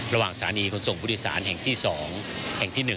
ระหว่างสถานีกลพสงค์ปุฏิศาลแห่งที่๒แห่งที่๑